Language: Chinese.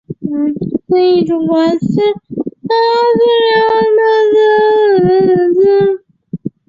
与它关系最密切的上古语言是伊朗语支的古波斯语和阿维斯陀语。